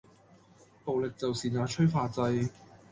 暴力就是那催化劑